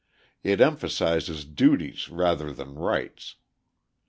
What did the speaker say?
It emphasises duties rather than rights.